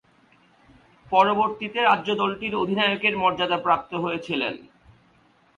পরবর্তীতে রাজ্য দলটির অধিনায়কের মর্যাদাপ্রাপ্ত হয়েছিলেন।